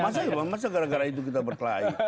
masa ya bang masa gara gara itu kita berkelahi